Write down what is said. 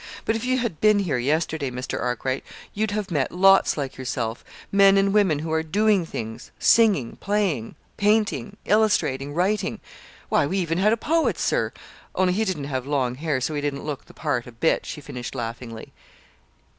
But if you had been here yesterday, Mr. Arkwright, you'd have met lots like yourself, men and women who are doing things: singing, playing, painting, illustrating, writing. Why, we even had a poet, sir only he didn't have long hair, so he didn't look the part a bit," she finished laughingly.